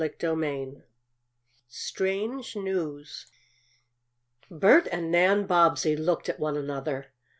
CHAPTER III STRANGE NEWS Bert and Nan Bobbsey looked at one another.